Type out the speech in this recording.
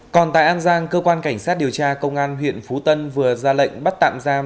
còn tại an giang cơ quan cảnh sát điều tra công an huyện phú tân vừa ra lệnh bắt tạm giam